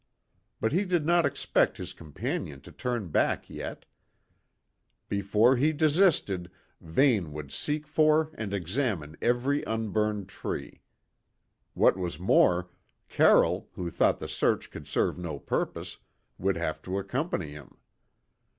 But he did not expect his companion to turn back yet: before he desisted, Vane would seek for and examine every unburned tree. What was more, Carroll, who thought the search could serve no purpose, would have to accompany him.